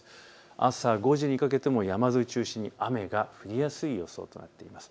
朝５時にかけても山沿いを中心に雨が降りやすい予想となっています。